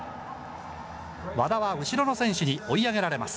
和田は後ろの選手に追い上げられます。